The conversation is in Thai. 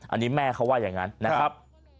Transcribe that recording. อันนี้แม่เขาว่าอย่างนั้นนะครับ